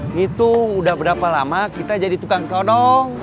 ngitung udah berapa lama kita jadi tukang tolong